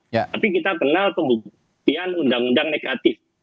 tapi kita kenal pembuktian undang undang negatif